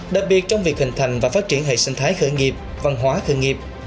đặc biệt trong việc hình thành và phát triển hệ sinh thái khởi nghiệp văn hóa khởi nghiệp